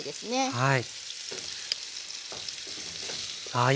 はい。